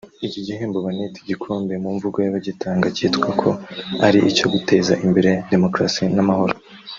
Iki gihembo banita igikombe mu mvugo y’abagitanga cyitwa ko ari icyo guteza imbere demokarasi n’amahoro